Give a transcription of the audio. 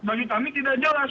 bagi kami tidak jelas